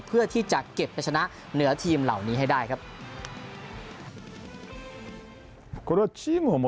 เพื่อที่จะเก็บไปชนะเหนือทีมเหล่านี้ให้ได้ครับ